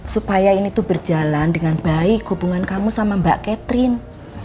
supaya ini tuh berjalan dengan baik hubungan kamu sama mbak catherine